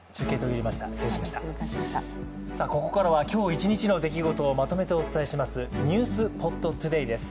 ここからは今日一日の出来事をまとめてお伝えする「ｎｅｗｓｐｏｔＴｏｄａｙ」です。